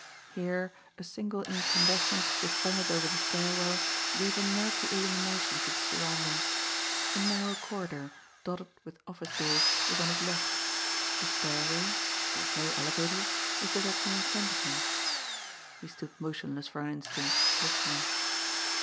Here, a single incandescent suspended over the stair well gave a murky illumination to the surroundings. A narrow corridor, dotted with office doors, was on his left; the stairway there was no elevator was directly in front of him. He stood motionless for an instant, listening.